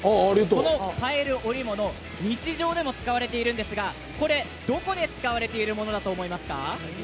このパイル織物、日常でも使われているんですがこれはどこで使われているものだと思いますか？